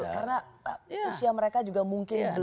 karena usia mereka juga mungkin belum terbiasa